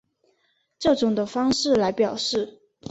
这种的方式来表示。